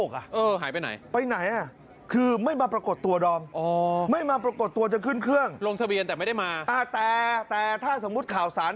แคมป์ข้างโดนยิงตาย